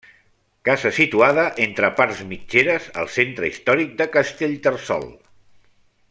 Casa situada entre partes mitgeres al centre històric de Castellterçol.